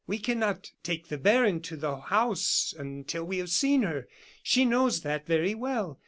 "We cannot take the baron to the house until we have seen her. She knows that very well.